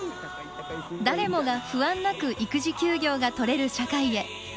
誰もが不安なく育児休業が取れる社会へ。